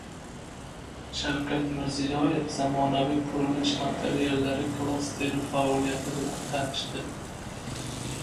Shavkat Mirziyoyev zamonaviy qurilish materiallari klasteri faoliyati bilan tanishdi